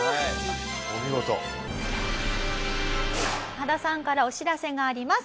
羽田さんからお知らせがあります。